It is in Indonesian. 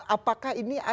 apakah ini acen real